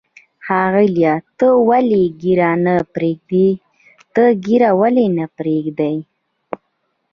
ښاغلیه، ته ولې ږیره نه پرېږدې؟ ته ږیره ولې نه پرېږدی؟